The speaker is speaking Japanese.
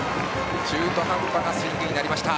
中途半端なスイングになりました。